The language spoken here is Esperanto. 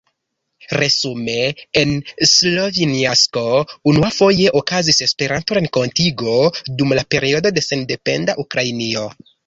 Resume, en Slovjansko unuafoje okazis Esperanto-renkontigo dum la periodo de sendependa Ukrainio.